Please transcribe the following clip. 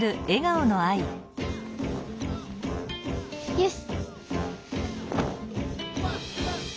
よし！